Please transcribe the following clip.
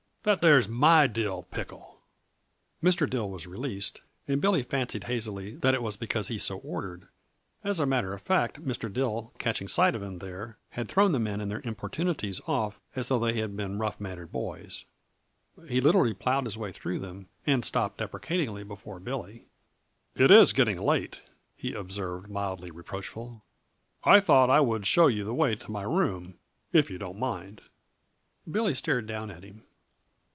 That there's my dill pickle!" [Illustration: "HANDS OFF THAT LONG PERSON! THAT THERE'S MY DILL PICKLE."] Mr. Dill was released, and Billy fancied hazily that it was because he so ordered; as a matter of fact, Mr. Dill, catching sight of him there, had thrown the men and their importunities off as though they had been rough mannered boys. He literally plowed his way through them and stopped deprecatingly before Billy. "It is getting late," he observed, mildly reproachful. "I thought I would show you the way to my room, if you don't mind." Billy stared down at him.